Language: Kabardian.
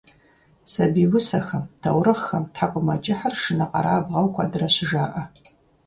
Сабий усэхэм, таурыхъхэм тхьэкIумэкIыхьыр шынэкъэрабгъэу куэдрэ щыжаIэ.